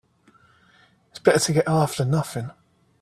Better to get half than nothing.